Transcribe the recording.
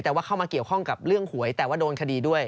แต่ว่าเข้ามาเกี่ยวข้องกับเรื่องหวยแต่ว่าโดนคดีด้วย